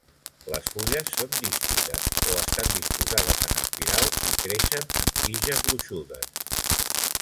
Les fulles són dístiques o estan disposades en espiral, i creixen en tiges gruixudes.